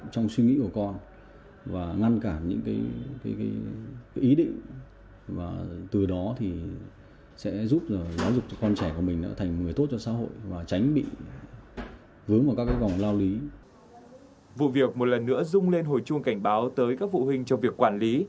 vụ việc một lần nữa rung lên hồi chuông cảnh báo tới các vụ huynh cho việc quản lý